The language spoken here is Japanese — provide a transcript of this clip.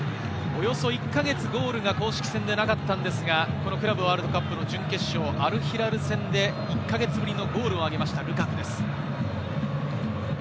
およそ１か月ゴールが公式戦でなかったんですが、クラブワールドカップの準決勝、アルヒラル戦で１か月ぶりのゴールを挙げました、ルカクです。